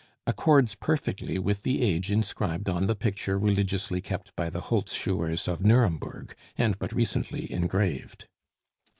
_ accords perfectly with the age inscribed on the picture religiously kept by the Holzschuers of Nuremberg, and but recently engraved.